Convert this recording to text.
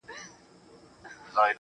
که ژوند راکوې~